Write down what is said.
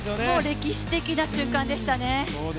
歴史的な瞬間でしたね。